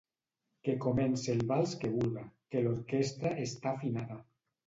Que comence el vals quan vulga, que l'orquestra està afinada.